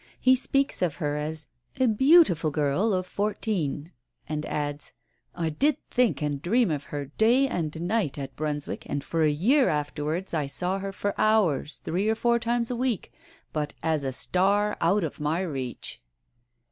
He speaks of her as a "beautiful girl of fourteen," and adds, "I did think and dream of her day and night at Brunswick, and for a year afterwards I saw her for hours three or fours times a week, but as a star out of my reach."